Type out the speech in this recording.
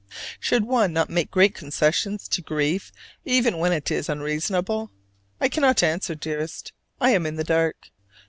"Should one not make great concessions to great grief even when it is unreasonable?" I cannot answer, dearest: I am in the dark.